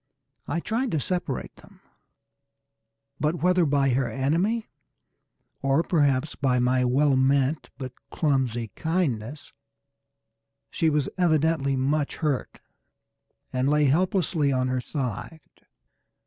I tried to separate them, but whether by her enemy, or perhaps by my well meant but clumsy kindness, she was evidently much hurt and lay helplessly on her side.